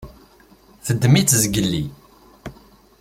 Teddem-itt zgelli.